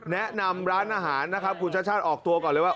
แนะนำร้านอาหารนะครับคุณชาติชาติออกตัวก่อนเลยว่า